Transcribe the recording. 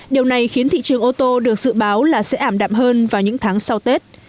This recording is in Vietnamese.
điều này khiến thị trường ô tô được dự báo là sẽ ảm đạm hơn vào những tháng sau tết